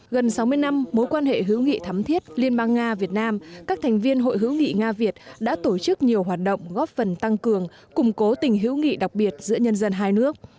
gần sáu mươi năm mối quan hệ hữu nghị thắm thiết liên bang nga việt nam các thành viên hội hữu nghị nga việt đã tổ chức nhiều hoạt động góp phần tăng cường củng cố tình hữu nghị đặc biệt giữa nhân dân hai nước